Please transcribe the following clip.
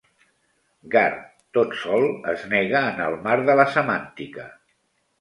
"Gar", tot sol, es nega en el mar de la semàntica.